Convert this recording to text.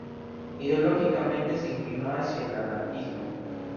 Ideológicamente, se inclinó hacia el anarquismo.